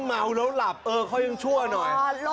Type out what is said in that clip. ห้ามงกับเสียหายนะครับ